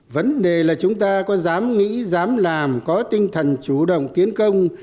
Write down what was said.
vấn đề là chúng ta có dám nghĩ dám làm có tinh thần chủ động tiến công